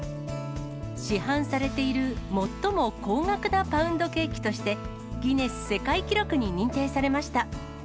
市販されている最も高額なパウンドケーキとして、ギネス世界記録に認定されました。